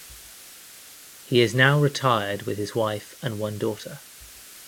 He is now retired with his wife and one daughter.